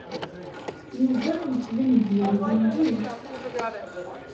Yuba yettban-d yerwi mliḥ.